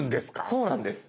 そうなんです。